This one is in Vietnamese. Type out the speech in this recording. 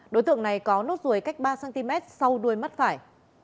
đối tượng này có nốt ruồi cách ba cm sau đuôi mắt phải